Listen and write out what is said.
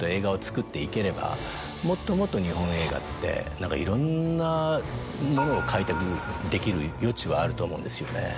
もっともっと日本映画って何かいろんなものを開拓できる余地はあると思うんですよね。